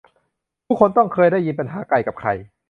ทุกคนต้องเคยได้ยินปัญหาไก่กับไข่